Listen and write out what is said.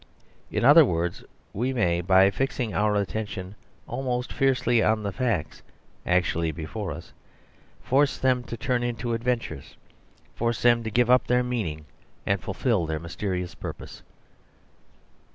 In other words, we may, by fixing our attention almost fiercely on the facts actually before us, force them to turn into adventures; force them to give up their meaning and fulfil their mysterious purpose.